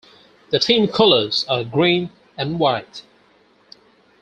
The team colours are green and white.